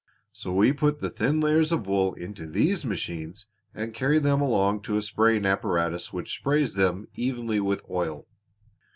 So we put the thin layers of wool into these machines and carry them along to a spraying apparatus which sprays them evenly with oil.